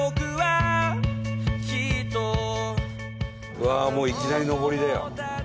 うわーもういきなり上りだよ。